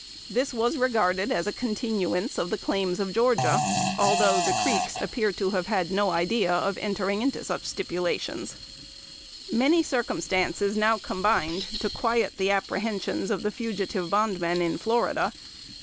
This was regarded as a continuance of the claims of Georgia, although the Creeks appear to have had no idea of entering into such stipulations. [Sidenote: 1797.] Many circumstances now combined to quiet the apprehensions of the fugitive bondmen in Florida.